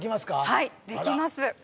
はいできます